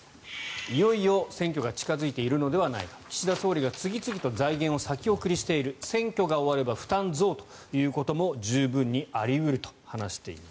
いよいよ選挙が近付いているのではないか岸田総理が次々と財源を先送りしている選挙が終われば負担増ということも十分にあり得ると話しています。